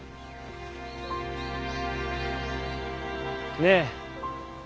ねえ。